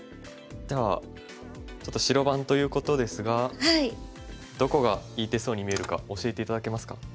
じゃあちょっと白番ということですがどこがいい手そうに見えるか教えて頂けますか？